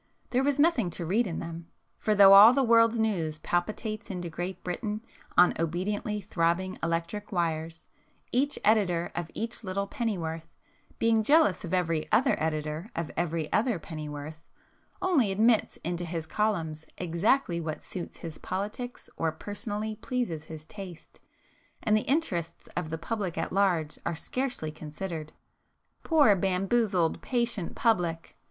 There was nothing to read in them,—for though all the world's news palpitates into Great Britain on obediently throbbing electric wires, each editor of each little pennyworth, being jealous of every other editor of every other pennyworth, only admits into his columns exactly what suits his politics or personally pleases his taste, and the interests of the public at large are scarcely considered. Poor, bamboozled, patient public!